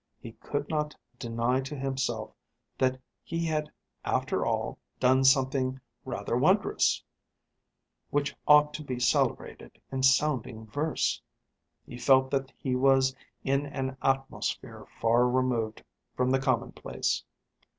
He could not deny to himself that he had after all done something rather wondrous, which ought to be celebrated in sounding verse. He felt that he was in an atmosphere far removed from the commonplace.